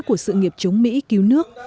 của sự nghiệp chống mỹ cứu nước